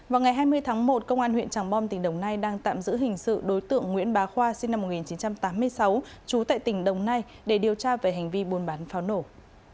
vào ngày hai mươi tháng một công an huyện tràng bom tỉnh đồng nai đang tạm giữ hình sự đối tượng nguyễn bá khoa sinh năm một nghìn chín trăm tám mươi sáu trú tại tỉnh đồng nai để điều tra về hành vi buôn bán pháo nổ